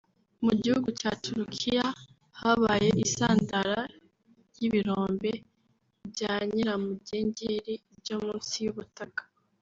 Mu gihugu cya Turukiya habaye isandara ry’ibirombe bya nyiramugengeri byo munsi y’ubutaka